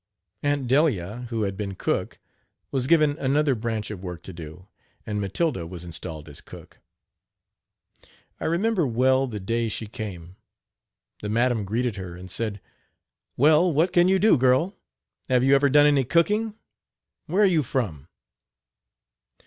Aunt Delia, who had been cook, was given another branch of work to do, and Matilda was installed as cook. I remember well the day she came. The madam greeted her, and said: "Well, what can you do, girl? Have you ever done any cooking? Where are you from?